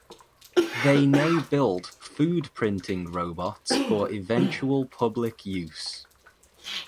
They now build food printing robots for eventual public use.